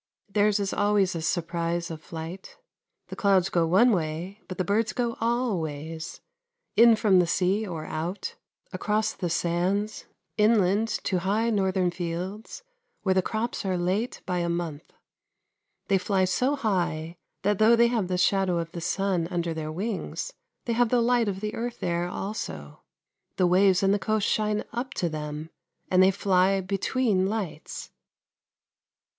Theirs is always a surprise of flight. The clouds go one way, but the birds go all ways: in from the sea or out, across the sands, inland to high northern fields, where the crops are late by a month. They fly so high that though they have the shadow of the sun under their wings, they have the light of the earth there also. The waves and the coast shine up to them, and they fly between lights.